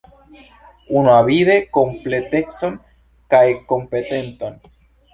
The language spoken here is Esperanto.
Unuavide kompletecon kaj kompetenton.